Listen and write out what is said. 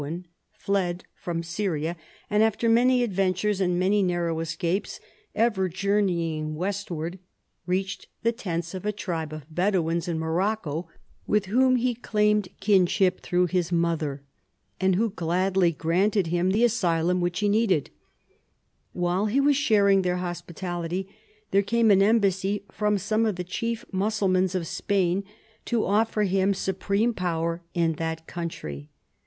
The young Abderrabman son of Merwan fled from Syria, and after many adventures and many narrow esca])es, ever journeying westward, reacbed the tents of a tribe of Bedouins in Morocco with wbom be claimed liinsbip througb bis motber, and who gladly granted bim tbe asylum wbicb be needed. AVbile be was sbaring tbeir hospitality, there came an embassy from some of the chief Mus sulmans of Spain to offer him supreme power in that country.